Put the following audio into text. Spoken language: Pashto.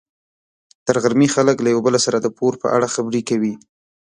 تر غرمې خلک له یو بل سره د پور په اړه خبرې کوي.